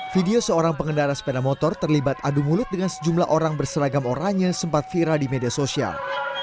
video seorang pengendara sepeda motor terlibat adu mulut dengan sejumlah orang berseragam oranye sempat viral di media sosial